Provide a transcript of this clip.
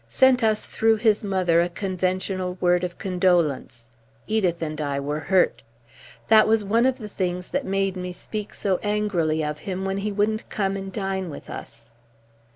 Sent us through his mother a conventional word of condolence. Edith and I were hurt. That was one of the things that made me speak so angrily of him when he wouldn't come and dine with us."